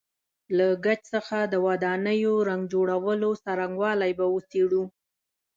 له ګچ څخه د ودانیو رنګ جوړولو څرنګوالی به وڅېړو.